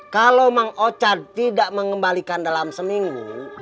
kalau mang ochan tidak mengembalikan dalam seminggu